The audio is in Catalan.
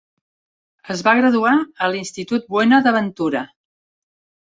Es va graduar a l'institut Buena de Ventura.